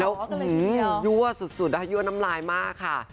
ยั่วสุดนะคะยั่วน้ำลายมากค่ะ